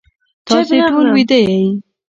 تاسی ټول ویده یی